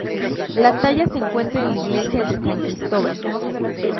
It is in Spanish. La talla se encuentra en la Iglesia de San Cristóbal.